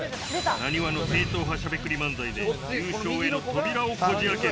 なにわの正統派しゃべくり漫才で、優勝への扉をこじあける。